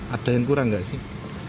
ada yang kurang nggak sih